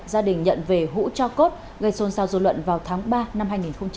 gia đình nhận về hũ cho cốt gây xôn xao dù luận vào tháng ba năm hai nghìn hai mươi